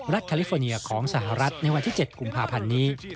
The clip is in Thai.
แคลิฟอร์เนียของสหรัฐในวันที่๗กุมภาพันธ์นี้